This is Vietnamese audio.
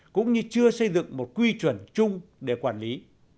cũng như chưa xây dựng một quy chuẩn chung để quản lý